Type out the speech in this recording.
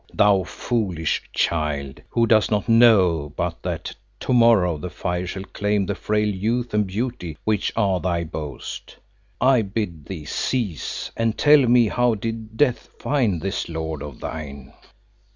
thou foolish child, who dost not know but that to morrow the fire shall claim the frail youth and beauty which are thy boast. I bid thee cease, and tell me how did death find this lord of thine?"